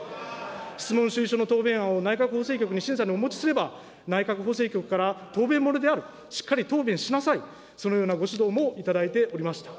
質問指示書の答弁案を内閣法制局に審査にお持ちすれば、内閣法制局から、答弁漏れである、しっかり答弁しなさい、そのようなご指導も頂いておりました。